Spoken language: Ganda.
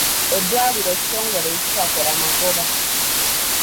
Eddwaliro kitongole ekitakola magoba.